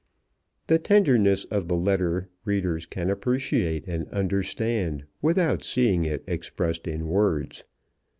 The tenderness of the letter readers can appreciate and understand without seeing it expressed in words.